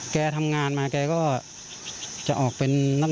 แกทำงานมาแกก็จะออกเป็นน้ำ